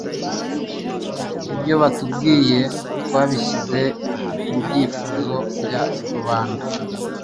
ibyo batubwiye twabishyize mu byifuzo bya rubanda